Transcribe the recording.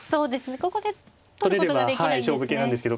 ここで取ることができないんですね。